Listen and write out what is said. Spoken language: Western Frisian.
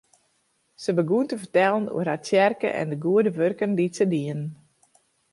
Se begûn te fertellen oer har tsjerke en de goede wurken dy't se dienen.